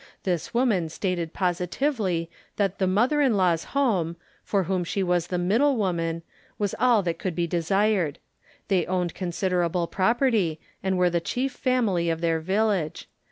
This woman stated positively that the "Mother in law's home," for whom she was the middle woman, was all that could be desired. They owned considerable property, and were the chief family of their village.